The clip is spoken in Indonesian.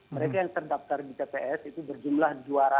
mereka yang terdaftar di tps itu berjumlah dua ratus